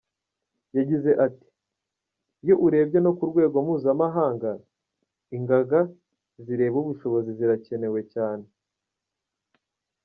Yagize ati “ Iyo urebye no ku rwego mpuzamahanga, ingaga zireba ubushobozi zirakenewe cyane.